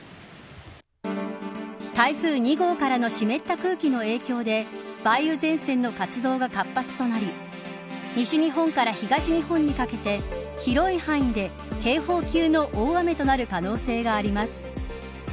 台風２号からの湿った空気の影響で梅雨前線の活動が活発となり西日本から東日本にかけて広い範囲で警報級の大雨となる可能性があります。